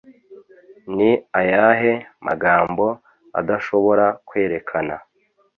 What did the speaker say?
Ni ayahe magambo adashobora kwerekana